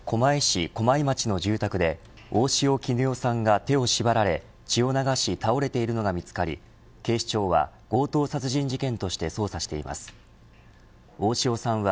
昨日、狛江市駒井町の住宅で大塩衣与さんが手を縛られ血を流し倒れているのが見つかり警視庁は強盗殺人事件として捜査しています。